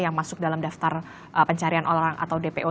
yang masuk dalam daftar pencarian orang atau dpo